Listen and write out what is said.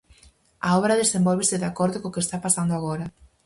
A obra desenvólvese de acordo co que está pasando agora.